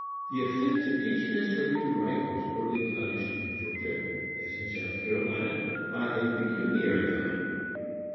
] The offence of teaching a slave to write was early punished, in Georgia, as in South Carolina, by a pecuniary fine.